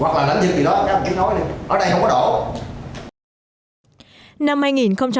hoặc là lãnh dự thì đó các bạn chỉ nói đi ở đây không có đổ